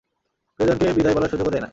প্রিয়জনকে বিদায় বলার সুযোগও দেয় না।